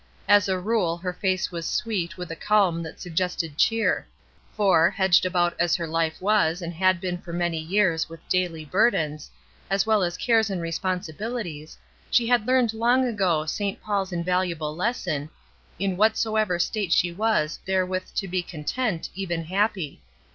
As a rule her face was sweet with a calm that suggested cheer; for, hedged about as her life was and had been for many years with daily burdens, as well as 276 HOME 277 cares and responsibiUties, she had learned long ago Saint Paul's invaluable lesson, in whatso ever state she was "therewith to be content," even happy.